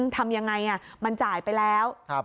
ทำยังไงมันจ่ายไปแล้ว